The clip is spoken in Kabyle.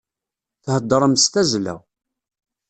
Theddṛem s tazzla.